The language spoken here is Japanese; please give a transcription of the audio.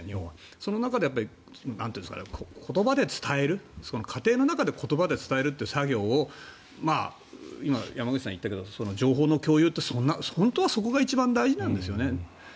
その中で、言葉で伝える家庭の中で言葉で伝える作業を今、山口さんが言ったけど情報の共有って本当はそこが一番大事なんですよね。